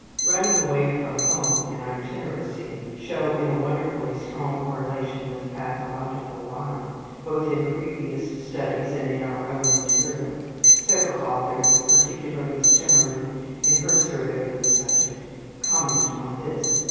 Running away from home and itineracy show in a wonderfully strong correlation with pathological lying, both in previous studies and in our own material. Several authors, particularly Stemmermann in her survey of the subject, comment on this.